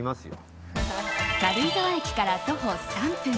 軽井沢駅から徒歩３分。